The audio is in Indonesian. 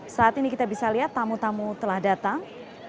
saat ini kita bisa lihat tamu tamu telah datang